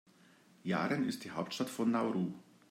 Yaren ist die Hauptstadt von Nauru.